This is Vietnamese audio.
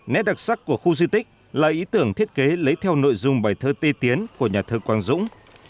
nét đặc sắc của khu di tích là ý tưởng thiết kế lấy theo nội dung bài thơ ti tiến của nhà thơ quang dũng